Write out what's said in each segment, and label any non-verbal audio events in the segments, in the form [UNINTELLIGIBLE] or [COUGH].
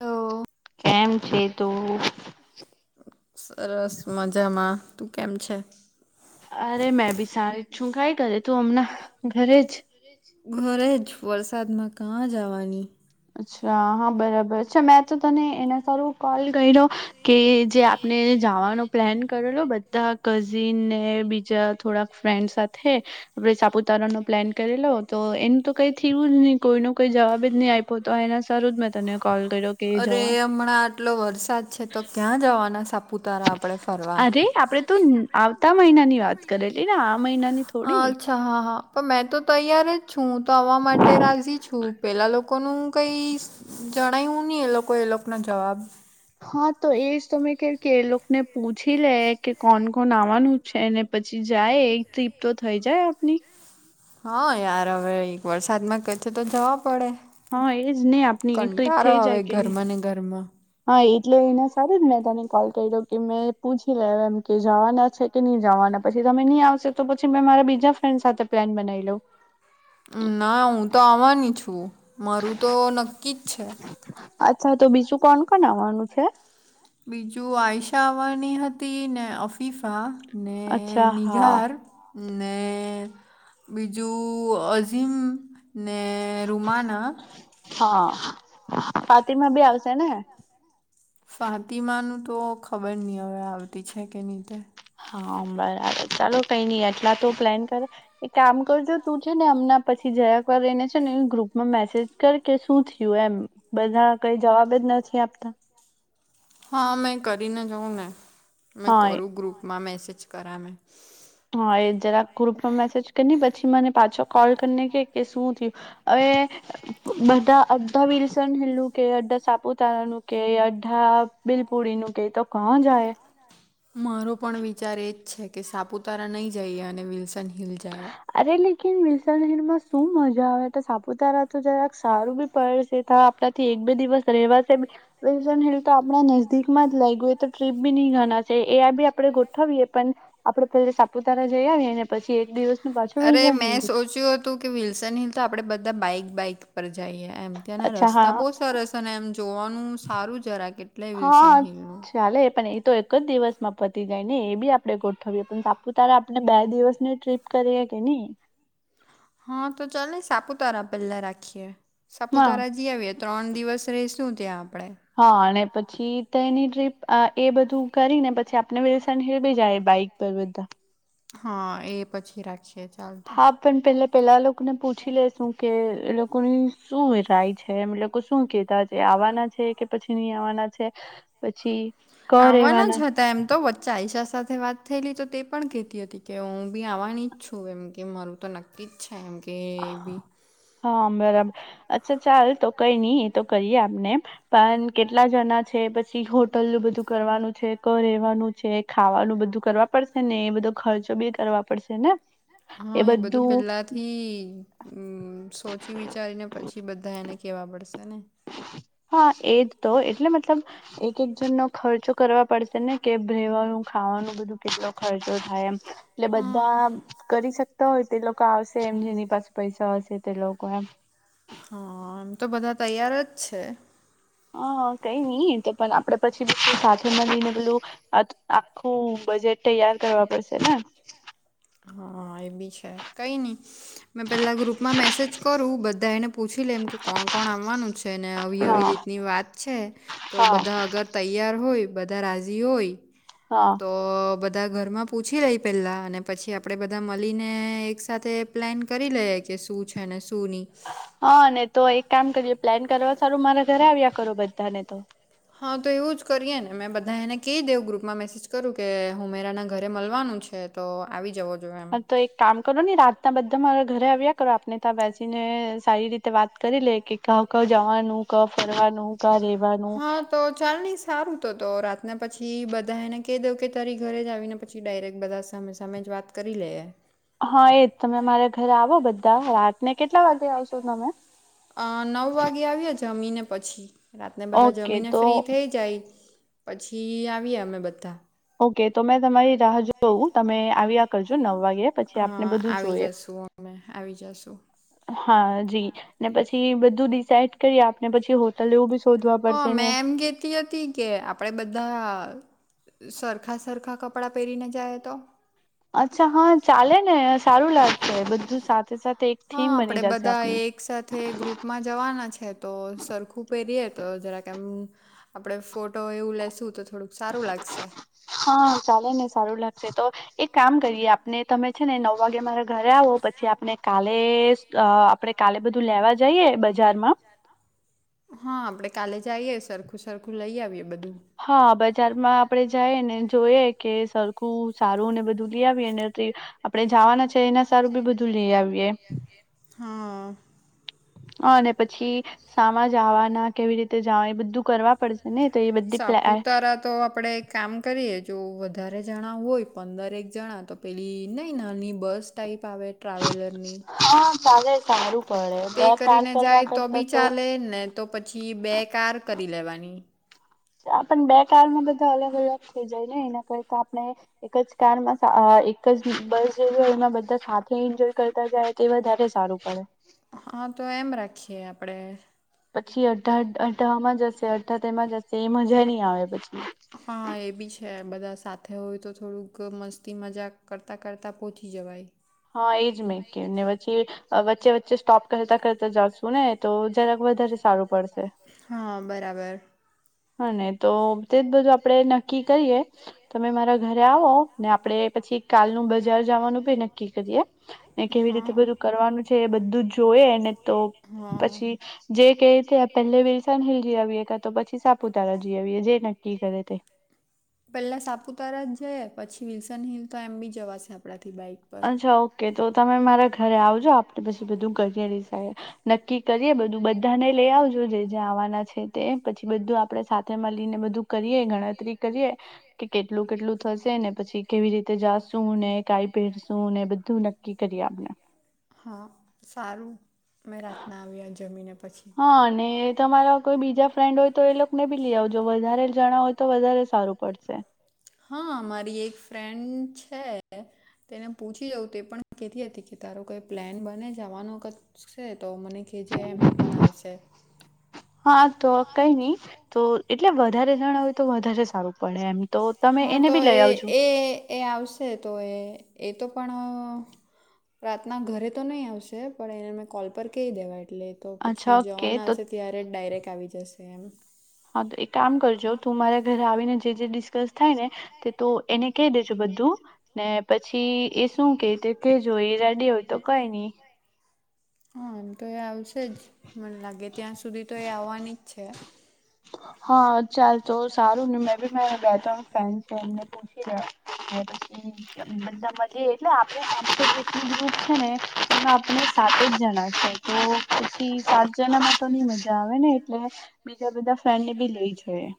તો કેમ છે? તું. સરસ મજામાં. તું કેમ છે? અરે મેં બી સારી જ છું. કાંઈ કરે તું હમનાં ઘરે જ. ઘરે જ વરસાદમાં કાં જવાની! અચ્છા હા બરાબર છે. મેં તને એના સારું કોલ કર્યો કે જે, મેં જવાનો પ્લાન કરેલો બધા કઝિનને બીજા થોડાક ફ્રેન્ડ સાથે. આપણે સાપુતારા નો પ્લાન કરેલો. તો એનું તો કઈ થયું જ નહી? કોઈનો કોઈ જવાબ જ નહી આવે. તો એના સારુ જ મેં તને કોલ. કે અરે! જવા હમણાં આટલો વરસાદ છે તો ક્યાં જવાના સાપુતારા આપડે ફરવા? અરે આપડે તો આવતા મહિના ની વાત કરેલી ને આ મહિનાની. થોડી હા જ. અચ્છા! હા હા પણ મેં તો તૈયાર જ છું. હું તો આવા માટે રાજી છું. પેલા લોકોનું કઈ? જણાવ્યું નહી એ લોકો એ લોકો નો જવાબ. હા, તો એજ તમે કે કે એ લોકોને પૂછી લે કે કોણ કોણ આવવાનું છે? એને. પછી જાયે. એક ટ્રીપ તો થઈ જાય આપની. હા યાર! હવે એક વરસાદમાં કથે તો જવા પડે. હા એજ નહી. આપણી એક ટ્રીપ કંટાળો થઈ જાય આવે કે નહી. ઘરમાં ને ઘરમાં હા એટલે એને સ જ મેં તને કોલ કર્યો કે મેં પૂછી લે એમ કે જવાના છે. કે નહી જવાના પછી તમે નહી આવશે તો પછી મેં મારા બીજા ફ્રેન્ડ સાથે પ્લાન બનાવી લઉં ના હું તો આવવાની છું. મારું તો નક્કી જ છે. અચ્છા તો બીજું કોણ કોણ આવવાનું છે. બીજું આયશા આવવાની હતી. ને અફીફા ને અચ્છા હા નિઘારને બીજું અઝીમ ને રૂમાના હા ફાતિમા બી આવશેને ફાતિમાનું તો ખબર નહીં હવે આવતી છે, કે નહીંતે હા બરાબર ચાલો કઈ નઈ એટલા તો પ્લેન કરે એક કામ કરજો તું છે ને એમના પછી જયાકર રને છે. ને એ ગ્રુપમાં મેસેજ કર કે શું થયું એમ બધા કઈ જવાબ જ નથી આપતા હા મેં કરીને જઉં ને મેં હા કરું ગ્રુપમાં મેસેજ કર્યા મેં હા એ જરાક ગ્રુપમાં મેસેજ કરી પછી મને પાછો કોલ કરીને કે કે શું થયું અવે બધા અડધા વિલસન હેલું કે અડધા સાપુત તારાનું કે અઢા બિલપુડી ન કેહી તો ક જાય મારો પણ વિચાર એ જ છે, કે સાપુતારા નહીં જઈએ અને વિલ્સન હિલ જાયએ. અરે લેકિન વિલ્સન હિલમાં શું મજા આવે ટ સાપુતારા તો જરાક સારું બી પરસે તા આપણાથી એક બે દિવસ રહેવાસે વિલ્સન હિલ તો આપણા નજદીકમાં જ લાયગુ એ તો ટ્રીપ બી નહી ગણા છે એ બી આપડે ગોઠવીએ પણ આપડે પેલા સાપુતારા જઈ આવીએ ને પછી એક દિવસનું પાછું વિલ્સન હિલ. તો કે વિલ્સનહિલ તો આપણેે બધા બાઈક-બાઈક પર જઈએ એમ. ત્યાંના અચ્છા રસ્તા હા બહુ સરસ અને એમ જોવાનું સારું જરાક એટલે હા વિલ્સનહિલનું ચાલે એ પણ એ તો એક જ દિવસમાં પતી જાય ને એ બી આપડે ગોઠવીએ, પણ સાપુતારા આપણે બે દિવસની ટ્રીપ કરીએ કે ની હા તો ચાલને સાપુતારા પેલા રાખીએ, હા સાપુતારા જી આવીએ. ત્રણ દિવસ રેયશું ત્યા આપડે હા અને પછી તેની ટ્રીપ અ એ બધું કરીને પછી આપને વિલ્સનહિલ બી જાયે બાઈક પવેદા હા એ પછી રાખીયે ચાલ તો હા પણ પેલા પેલા લોકોને પૂછી લેેશુ કે, એ લોકોની શું રાય છે. એ લોકો શું કેતા એ આવવાના છે કે પછી નહી આવવાના છે, પછી‌ આવાના જ હતા. એમ તો વચ્ચે આઈશા સાથે વાત થયેલી તો તે પણ કહેતી હતી કે હું બી આવવાની છું, એમ કે મારું તો નક્કી જ છે. એમ કે એ બી હા બરાબર, અચ્છા ચાલ તો કઈ નહી. એ તો કરીએ આપને પણ કેટલા જણા છે, પછી હોટલનું બધું કરવાનું છે ક રહેવાનું. છે. ખાવાનું બધું કરવા પડશેને એ બધો ખર્ચો બી કરવા પડશે ને? હા એ પેલાથી અં સોચી-વિચારીને પછી બધા કેવા પડશે ને? હા એજ તો એટલે મતલબ એક-એક જન નો ખર્ચો કરવા પડશે ને કેમ રહેવાનું, ખાવાનું કેટલો ખર્ચો થાય એમ. એટલે હા બધા કરી શકતા હોય તે લોકો આપશે. સેમ જેની પાસે પૈસા હશે. તે લોકો એમ હાઅઅ- એમ તો બધા તૈયાર જ છે. હઅ કઈ નઈ તો પણ આપડે પછી સાથે મળીને પેલું અત આખું બજેટ તૈયાર કરવા પડશે ને? હા -એ ભી છે. કઈ ની મેં પહેલાં ગ્રુપમાં મેસેજ કરું. બધા એને પૂછી લે એમ કે કોણ કોણ આવવાનું છે ને આવી આવીવી હા રીતની વાત છે. તો હા બધા અગર તૈયાર હોય બધા રાજી હોય. હા. તો -ઓ-બધા ઘરમાં પૂછી લે પેલા અને પછી આપણે બધા મલીને એક સાથે પ્લેન કરી લઈએ કે શું છે ને શું નહીં. હા ને તો એક કામ કરીએ પ્લેન કરવા સારું મારા ઘરે આવ્યા કરો બધાને તો હા તો એવું જ કરીએ ને મેં બધા એને કહી દેવ ગ્રુપમાં મેસેજ કરું કે હું મેરાના ઘરે મળવાનું છે. તો આવી જવો. જોઈએ એમ હા તો એક કામ કરો ને, રાતના બધા મારા ઘરે આવ્યા કરો આપને ત્યા બેસીને સારી રીતે વાત કરી લે કે, ક ક જવાનું, ક ફરવાનું, ક રેવાનું? હા તો ચાલ ની શ સારું તો તો રાતના પછી બધા એને કહી દઉં કે તારી ઘરે જ આવીને પછી ડાયરેક્ટ બધા સામે સામે જ વાત કરી લેએ. હા એજ. તમે મારે ઘરે આવો બધા રાતને કેટલા વાગે આવશો તમે? અ -નવ વાગે આવી એ જમીને પછી. રાતને બધા ઓકે જમીને તો ફ્રી થઈ જાય પછી, આવીએ અમે બધા. ઓકે. તો મેં તમારી રાહ જોઉં તમે આવ્યા કરજો નવ વાગે. પછી આપને હા બધું આવી જોઈએ જશુ અમે, આવી જશુ. હા જી ને પછી બધું ડિસાાઈડ કરી આપને પછી હો ટલો બી શોધવા અ- પડશે મે ને એમ કેહતી હતી. કે આપણે બધા સરખા સરખાં કપડાં પહેરીને જાયએ તો, અચ્છા હા ચાલે ને અ સારું લાગશે બધું સાથે સાથે એક હા થીમ બની આપડે જશે બધા આપની એકસાથ થે ગ્રુપમાં જવાના છે તો સરખું પહેરીએ તો જરાક આમ, આપડે ફોટો એવું લેેશું તો થોડુંક સારું લાગશે. [INAUDIBLE] હા ચાલે ને સારું લાગશે તો એક કામ કરીએ આપને તમે છે ને નવ વાગે મારા ઘરે આવો પછી આપણે કાલે આંપણે કાલે બધું લેવા જઈએ બજારમાં હા આપડે કાલે જાઈએ સરખું સરખું લઈ આવીએ બધું. હા બજારમાં આપડે જઈ ને જોઈએ કે સરખું સારું ને બધું લઈ આવીએ નેથી, આપણે જવાના છે એના સારું બી બધું લઈ આવીયે. હાઆઆ અને પછી સામા જવાના કેવી જવા એ બધું કરવા પડશે ને તો એ બધ સાપુતારા તો આપણે એક કામ કરીએ જો વધારે જણા હોય પંદર એક જણા તો પેલી નહીં નાની બસ ટાઈપ આવે. ટ્રાવેલરની હા ચાલે સારું પડે -તે બે કાર કરીને કરવા જાય તો કરતા બી ચાલે ને તો પછી બે કાર કરી લેવાની. આ પણ બે કાર માં બધા અલગ અલગ થઈ જાય ને એના કરતાં આપણે એક જ કાર માં સા અહ એક બસ જેવી એમાં બધા સાથે એન્જોય કરતા જાય તે વધારે સારું પડે. હા તો એમ રાખીએ આપડે પછી અડધા અડધા આમાં જશે અડધા તેમાં જશે એ મજા નઈ આવે પછી હા એ બી છે. બધા સાથે હોય તો થોડુંક મસ્તી મજા કરતાં કરતાં પહોંચી જવાય. હા એજ મેં કેઉ ને પછી વચ્ચે વચ્ચે સ્ટોપ કરતા કરતા જાશુ ને તો જરાક વધારે સારું પડશે. હા બરાબર હા ને તો તે જ બધું આપડે નક્કી કરીએ તમે મારા ઘરે આવો ને આપડે પછી કાલનું બજાર જવાનું બી નક્કી કરીએ. ને કેવી રીતે હા બધું કરવાનું છે. એ બધું જોય અને તો હા પછી જે ક તે પેહલે વિલસનહિલ જી આવી કા તો પછી સા પુ તારા જીઆવીએ જે નક્કી કરે તે પહેલા સાપુતારા જઈએ પછી, વિલ્સનહિલ તો એમ બી આપણાથી બાઈક પર અચ્છા ઓકે તો તમે મારા ઘરે આવજો આપે પછી બધું કરીએ ડીસાઈડ નક્કી કરીએ બધું બધાને લઈ આવજો જે જે આવવાના છે. તે પછી બધું સાથેમાં લઈને બધું કરીએ ગણતરી કરીએ તે કે કેટલું કેટલું થશે ને પછી કેવી રીતે જાશુંને કઈ પેરસું ને બધું નક્કી કરી આપડે. હા સારું મે રાતના આવ્યા જમીને પછી. હા અને તમારા કોઈ બીજા ફ્રેન્ડ હોય તો એ લોકોને બી લઈ આવજો વધારે જણા હોય તો વધારે સારું પડશે. હા મારી એક ફ્રેન્ડ છે. તેને પૂછી જઉં તે પણ કેહતી હતી. કે તારો કોઈ પ્લેન બને જવાનો ક છે. તો મને કહેજે એમ એ પણ આવશે. હા તો કઈ નહી. તો એટલે વધારે જણ હોય તો વધારે સારું પડે એમ. તો તમે હા એને તો બી લઈ એ આવજો એ આવશે તો એ એ તો પણ, રાતના ઘરેતો નહીં. આવશે પણ એનેમે કોલ પર કહી દેવા એટલે તો અચ્છા પછી ઓકે જવાના તો આવશે. ત્યારેજ ડાયરેક આવી જશે એમ હાતો એક કામ કરજો તુ મારા ઘરે આવીને જે જે ડિસ્કસ થાય ને તેતો એને કહી દેજો બધું ને પછી એશુ કેતે તે કેજો એ રેડી હોઈ તો તો કઈ નહી. હા એમતોએ આવશે જ મને લાગે ત્યાં સુધી તો એ આવવાની જ છે. હા ચાલ તો સારું ને મેબી મારાં બે ત્રણ ફ્રેન્ડ છે એમને પૂછી લેવને પછી બધા મળીયે એટલે આપણું જેટલું ગ્રુપ છે. ને એમા આપને સાત જ જણા છે તો પછી સાત જણામા તોની મજા આવે ને એટલે બીજા બધા ફ્રેન્ડનેબી લઈ જાઈએ.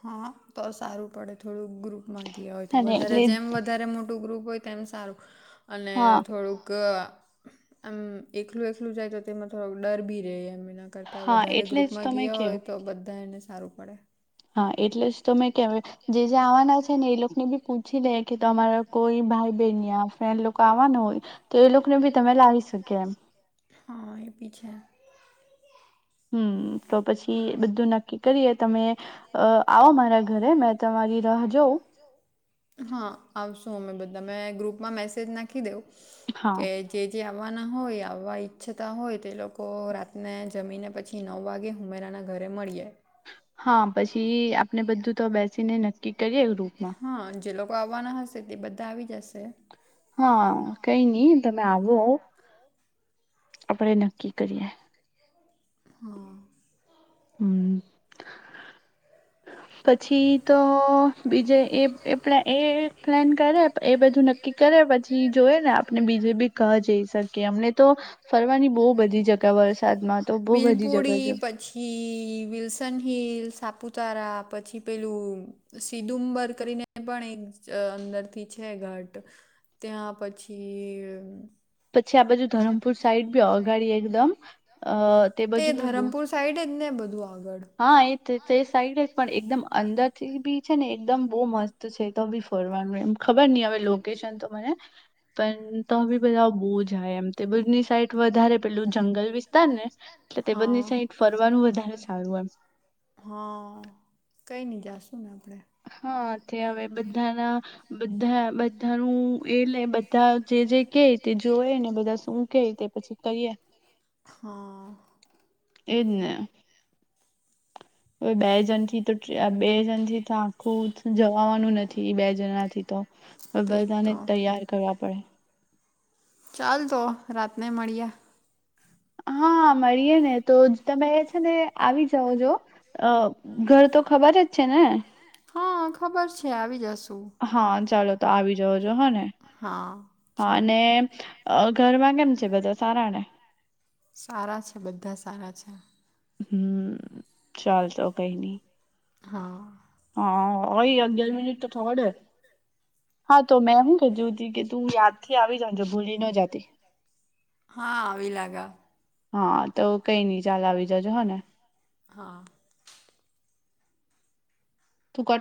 હાતો તો સારું પડે થોડુક ગ્રુપમાં ગયા હોય. તો હે ને વધારે એટલે જેમ વધારે મોટુ મોટુ ગ્રુપ હોય તેમ સારું અને હા થોડુક આમ એકલું એકલું જાય તો તેમા થોડોક ડરબી રહે એમ એના કરતા હા વધારે એટલે જ ગ્રુપમા તમે ગયા કેવ હોય. તો બધાએને સારું પડે હા એટલેજ તોમે કેમ જે જે આવવાના છે, ને એલોકોને બી પૂછી લે કે તમારા કોઈ ભાઈ બહેન યા ફ્રેન્ડ લોકો આવવાના હોય. તો એલોકોને ભી તમે લાવી શકે એમ હા એ ભી છે. હમ તો પછી બધું નક્કી કરીએ તમે અ આવો મારા ઘરે મેં તમારી રાહ જોઉં હા આવશુ અમે બધા મે ગ્રુપમા મેસેજ નાખી દઉં હા કે જે જે આવવાના હોય આવવા ઈચ્છતા હોય તેલોકો રાતને જમીને પછી નવ વાગે હુમેરાના ઘરે મળીએ હા પછી આપણે બધુ તો બેસીને નક્કી કરીએ ગ્રુપમાં હા જેલોકો આવવાના હશે તે બધા આવી જશે હા કઈ નહી તમે આવો આપણેે નક્કી કરીએ હા હમ પછી તો બીજે એ એ પેલા એ પ્લાન કરે એ બધુ નક્કી કરે પછી જોઈને આપને બીજેબી કા જઈ શકીએ એમનેતો ફરવાની બોબધી જગા વરસાદમાતો બોબધી જગા છે હી વિલ્સનહિલ સાપુતારા પછી પેલુ સીદુંમબર કરીને પણ એક અ અંદરથી છે ઘાટ ત્યાં પછી અ આ પછી આ ધરમપુર બાજુ સાઈડ બી ધરમપુર અગાડી એકદમ અ [UNINTELLIGIBLE] તે બાજુ બી બહુ ધરમપુર સાઈડજ ને બધુ આગળ હા એતે સાઈડ જ પણ સા- એકદમ અંદર થીબી છે ને એકદમ બહુ મસ્ત છે તોબી ફરવાનુ એમ ખબર નહી હવે લોકેશનતો મને પણ તોબી બધા બોજાય એમ તેબજની એ સાઈટ વધારે પેલુ પેલું જંગલ વિસ્તારને એટલે હા તેબાજની સાઈટ ફરવાનું વધારે સારું એમ સારું હા કઈ નહી જાશુને આપણે હા તે હવે બધાના બધા બધાનું એટલેકે બધા જે જે કે તે જોયેને બધા શું કે તે પછી તૈયાર હા એજને બેજણ થીતો બેજણથી તો આખુ જવાવાનુ નથી બેજણાથી તો તે જ બધાને તો તૈયાર કરવા પડે ચાલ તો રાતને મળ્યા હા મળીએેને તો તમે છે ને આવી જાઓ જો અ ઘર તો ખબર જ છે ને હા ખબર છે આવી જાશુ હા ચાલો તો આવી જાજો હોને હા હા ચાલ અને અ ઘર માં કેમ છે બધા સારા ને? સારા છે બધા સારા છે હમ ચાલ તો કઈ નહી હા હા ઓય અગીયાર મીનીટ તો થવાદે હા તો મેં હું કીધું કે, તું યાદથી આવી જાજે ભૂલી ન જાતી. હા આવી [UNINTELLIGIBLE] હા તો કઈ નઈ ચાલો આવી જજો હો ને હા તું કટ